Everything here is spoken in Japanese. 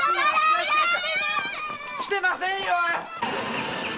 来てませんよー！